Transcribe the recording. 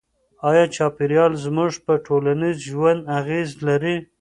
آیا چاپیریال زموږ په ټولنیز ژوند اغېز لري؟